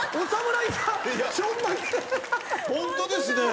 ホントですね。